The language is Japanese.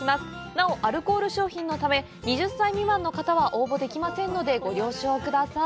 なおアルコール商品のため２０歳未満の方は応募できませんのでご了承ください。